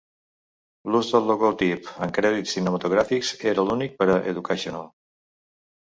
L'ús del logotip en crèdits cinematogràfics era únic per a Educational.